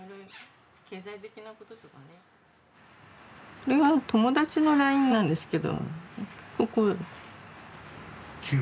これは友達のＬＩＮＥなんですけど。